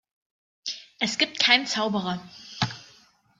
Es gibt keine Zauberer.